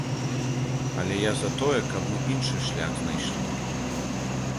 Але я за тое, каб мы іншы шлях знайшлі.